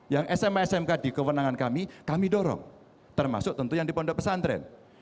yang sma smk di kewenangan kami kami dorong termasuk tentu yang di pondok pesantren